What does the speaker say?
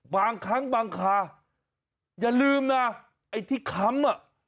บางครั้งบางคาอย่าลืมนะไอ้ที่ค้ำอ่ะ